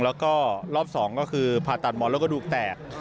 แล้วก็รอบ๒ก็คือผ่าตัดหมอนแล้วก็ดูแตก